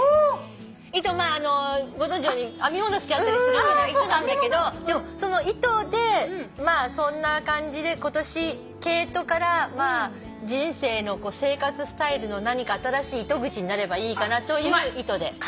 「糸」あのご存じのように編み物好きだったりするから「糸」なんだけどその糸でそんな感じで今年毛糸から人生の生活スタイルの何か新しい糸口になればいいかなという糸で。